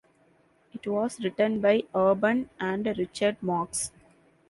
It was written by Urban and Richard Marx.